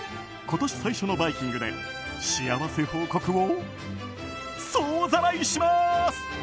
今年最初の「バイキング」で幸せ報告を総ざらいします。